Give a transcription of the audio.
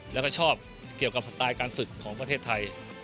แล้วก็ชอบเกี่ยวกับสไตล์การฝึกของประเทศไทย